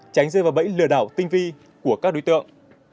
tránh rơi vào bẫy lừa đảo tinh vi của các đối tượng